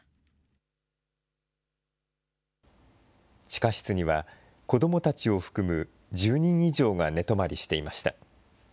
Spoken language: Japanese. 地下室には、子どもたちを含む１０人以上が寝泊まりしていました。